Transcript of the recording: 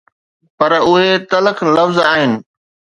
پر اهي تلخ لفظ آهن.